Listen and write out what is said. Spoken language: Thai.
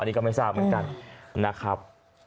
อันนี้ก็ไม่ทราบเหมือนกัน